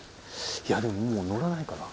いやでももうのらないかな？